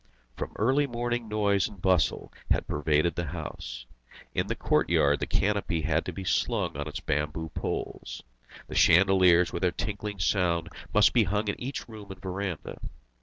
From early morning noise and bustle had pervaded the house. In the courtyard the canopy had to be slung on its bamboo poles; the chandeliers with their tinkling sound must be hung in each room and verandah.